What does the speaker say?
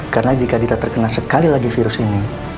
karena jika kita terkena sekali lagi virus ini